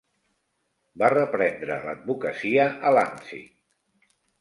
Va reprendre l'advocacia a Lansing.